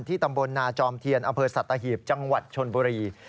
ตำบลนาจอมเทียนอำเภอสัตหีบจังหวัดชนบุรี